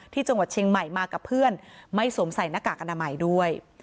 ที่จังหวัดเชียงใหม่มากับเพื่อนไม่สวมใส่หน้ากากอนามัยด้วย